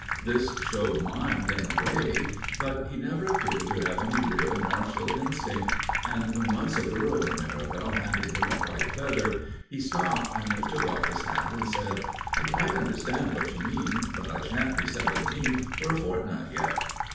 This showed mind in a way; but he never appeared to have any real martial instinct, and when once a girl in Merivale handed him a white feather, he stopped and took off his hat and said: "I quite understand what you mean, but I shan't be seventeen for a fortnight yet."